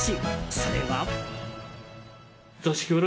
それは。